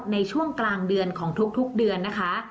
ในช่วงกลางเดือนของทุกเดือนนะคะ